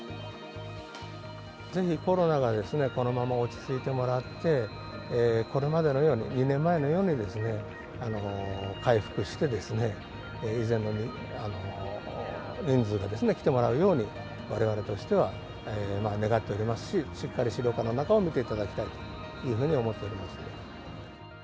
ぜひ、コロナがこのまま落ち着いてもらって、これまでのように、２年前のように回復してですね、以前の人数が来てもらえるように、われわれとしては願っておりますし、しっかり資料館の中を見ていただきたいと思っております。